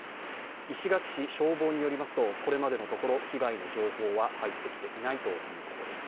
石垣市消防によりますと、これまでのところ被害の情報は入ってきていないということです。